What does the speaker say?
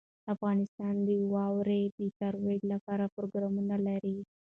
افغانستان د واوره د ترویج لپاره پروګرامونه لري.